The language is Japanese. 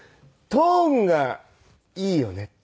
トーンがいいって？